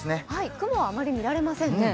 雲はあまり見られませんね。